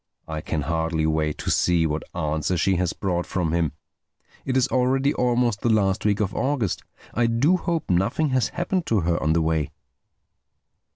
I can hardly wait to see what answer she has brought from him. It is already almost the last week of August. I do hope nothing has happened to her on the way."